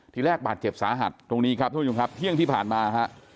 ทีแรกบาดเจ็บสาหัสตรงนี้ครับทุกผู้ชมครับเที่ยงที่ผ่านมาฮะ